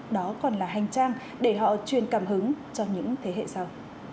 đó còn là hành trang để họ truyền cảm hứng cho những thế hệ sau